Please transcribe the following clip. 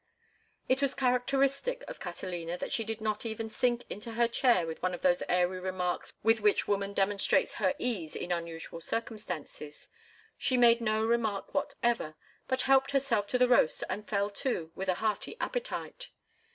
It was characteristic of Catalina that she did not even sink into her seat with one of those airy remarks with which woman demonstrates her ease in unusual circumstances. She made no remark whatever, but helped herself to the roast and fell to with a hearty appetite.